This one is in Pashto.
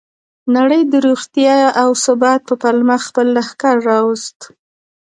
نړۍ د روغتیا او ثبات په پلمه خپل لښکر راوست.